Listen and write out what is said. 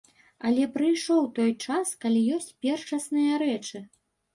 Але прыйшоў той час, калі ёсць першасныя рэчы.